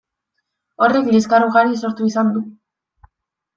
Horrek liskar ugari sortu izan du.